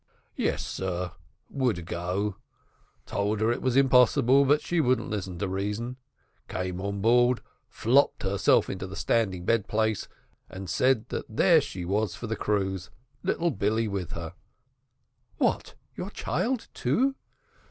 "Yes, sir, would go; told her it was impossible, but she wouldn't listen to reason came on board, flopped herself into the standing bed place, and said that there she was for the cruise little Billy with her " "What! your child, too?"